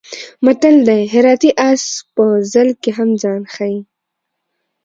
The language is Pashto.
متل دی: هراتی اس په ځل کې هم ځان ښي.